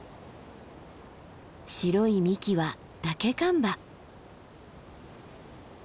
白い幹はダケカンバ。